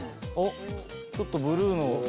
ちょっとブルーの服。